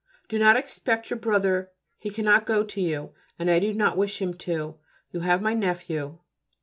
Do not expect your brother: he cannot go to you, and I do not wish him to. You have my nephew.